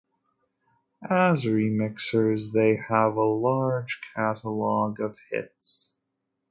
As remixers they have a large catalog of hits.